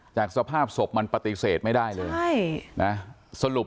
จากสภาพศพมันปฏิเสธไม่ได้เลยสรุปแล้วก็คือ